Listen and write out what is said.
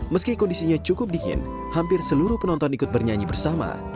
meski kondisinya cukup dingin hampir seluruh penonton ikut bernyanyi bersama